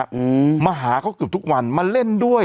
อืมมาหาเขาเกือบทุกวันมาเล่นด้วย